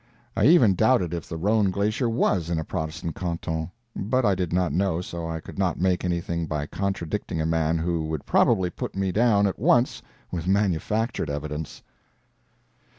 I even doubted if the Rhone glacier WAS in a Protestant canton; but I did not know, so I could not make anything by contradicting a man who would probably put me down at once with manufactured evidence.